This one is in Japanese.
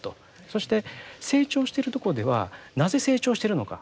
そして成長してるところではなぜ成長しているのか。